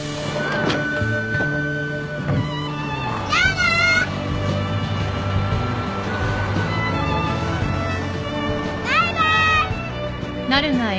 バイバーイ！